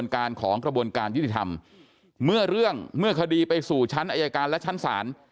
การของกระบวนการยุติธรรมเมื่อเรื่องเมื่อคดีไปสู่ชั้นอายการและชั้นศาล